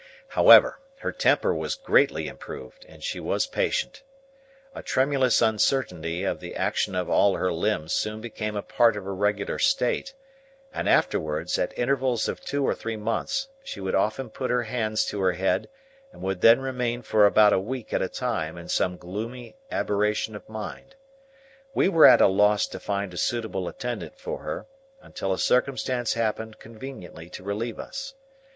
However, her temper was greatly improved, and she was patient. A tremulous uncertainty of the action of all her limbs soon became a part of her regular state, and afterwards, at intervals of two or three months, she would often put her hands to her head, and would then remain for about a week at a time in some gloomy aberration of mind. We were at a loss to find a suitable attendant for her, until a circumstance happened conveniently to relieve us.